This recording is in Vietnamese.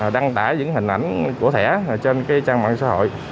đăng tải những hình ảnh của thẻ trên trang mạng xã hội